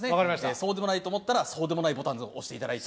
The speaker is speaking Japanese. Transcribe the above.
そうでもないと思ったら「そうでもないボタン」を押して頂いて。